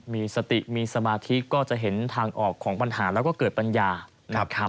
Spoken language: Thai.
มีสติมีสมาธิก็จะเห็นทางออกของปัญหาแล้วก็เกิดปัญญานะครับ